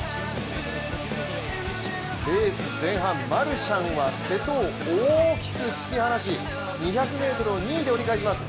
レース前半、マルシャンは瀬戸を大きく突き放し２００ｍを２位で折り返します。